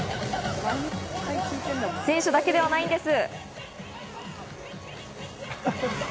選手だけではないんです。